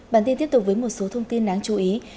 bản tin tiếp tục với một số thông tin đáng chú ý